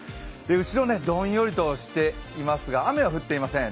後ろどんよりとしていますが雨は降っていません。